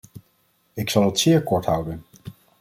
Ik zal het zeer kort houden.